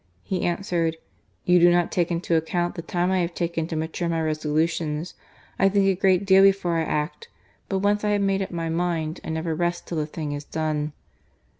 He answered, You do not take into account the time I have taken to mature my resolutions. I think a great deal before I act ; but once I have made up my mind, I never rest till the thing is done."